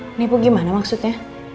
menipu gimana maksudnya